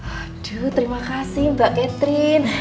aduh terima kasih mbak catherine